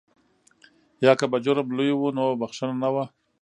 یا که به جرم لوی و نو بخښنه نه وه.